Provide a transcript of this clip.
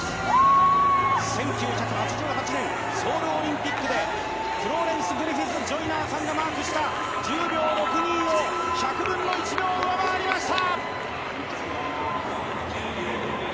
１９８８年ソウルオリンピックでフローレンス・グリフィス・ジョイナーがマークした１０秒６２を１００分の１秒上回りました。